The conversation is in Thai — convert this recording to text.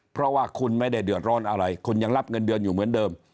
เพราะว่าคุณไม่ได้เดือดร้อนอะไรคุณยังรับเงินเดือนอยู่เหมือนเดิม